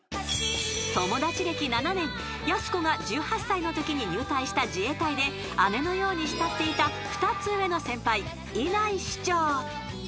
［友達歴７年やす子が１８歳のときに入隊した自衛隊で姉のように慕っていた２つ上の先輩稲井士長］